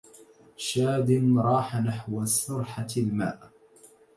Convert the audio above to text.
شادن راح نحو سرحة ماء